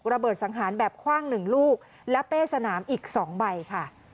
ระเบิดสังหารแบบคว่าง๑ลูกและเป้สนามอีก๒ใบค่ะ